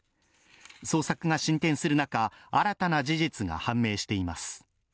捜索が進展する中、新たな事実が判明しています。